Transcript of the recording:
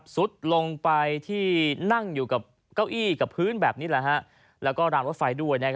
สุดลงไปที่นั่งอยู่กับเก้าอี้กับพื้นแบบนี้แล้วก็รางรถไฟด้วย